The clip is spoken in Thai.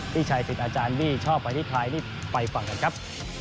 พี่ชัยสิตอาจารย์วี่ชอบใบที่ไทยไปฟังนะครับ